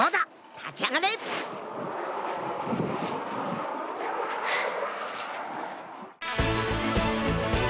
立ち上がれさぁ！